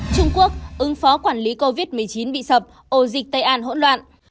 trung quốc ứng phó quản lý covid một mươi chín bị sập ổ dịch tây an hỗn loạn